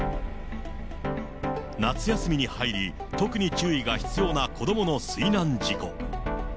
夏休みに入り、特に注意が必要な子どもの水難事故。